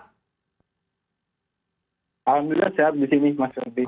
alhamdulillah sehat di sini mas